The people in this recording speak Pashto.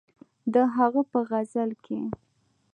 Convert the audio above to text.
د هغه په غزل کښې